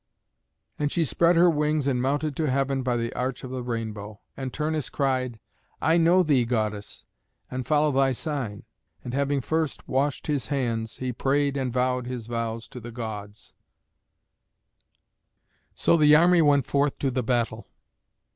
And she spread her wings and mounted to heaven by the arch of the rainbow, and Turnus cried, "I know thee, goddess, and follow thy sign." And having first washed his hands, he prayed and vowed his vows to the Gods. [Illustration: IRIS APPEARING TO TURNUS.] So the army went forth to the battle.